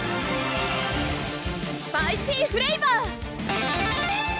スパイシーフレイバー！